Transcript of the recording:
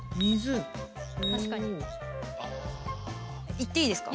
いっていいですか？